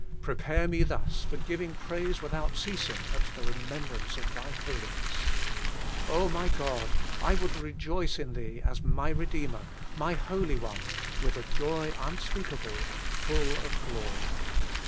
Prepare me thus for giving praise without ceasing at the remembrance of Thy holiness. my God ! I would rejoice in Thee as my Eedeemer, MY HOLY ONE, with a joy unspeakable and full of glory.